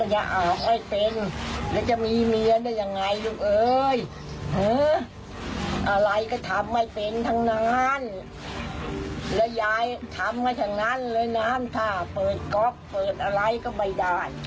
แย่แล้วยายก็แย่แล้ว